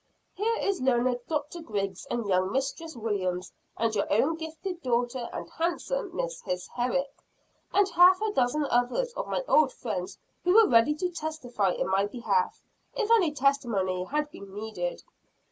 Here is learned Dr. Griggs, and young Mistress Williams, and your own gifted daughter, and handsome Mistress Herrick, and half a dozen others of my old friends who were ready to testify in my behalf, if any testimony had been needed.